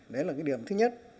đấy là cái điểm thứ nhất